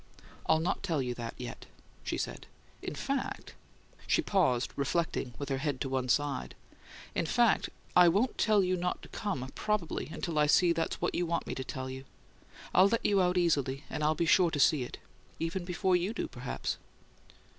"I'll not tell you that yet," she said. "In fact " She paused, reflecting, with her head to one side. "In fact, I won't tell you not to come, probably, until I see that's what you want me to tell you. I'll let you out easily and I'll be sure to see it. Even before you do, perhaps."